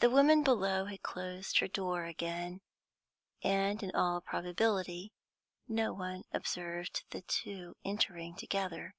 The woman below had closed her door again, and in all probability no one observed the two entering together.